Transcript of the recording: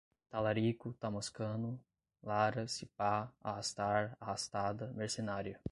talarico, ta moscando, lara, se pá, arrastar, arrastada, mercenária